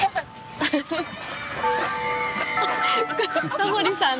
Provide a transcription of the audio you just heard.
タモリさん